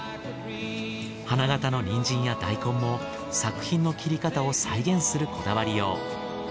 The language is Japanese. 花形のニンジンや大根も作品の切り方を再現するこだわりよう。